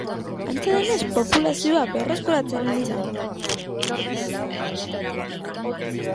Antza denez populazioa berreskuratzen ari da.